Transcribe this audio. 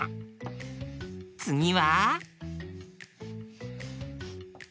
つぎは？